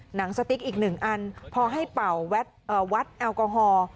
หนังสติ๊กอีก๑อันพอให้เป่าวัดแอลกอฮอล์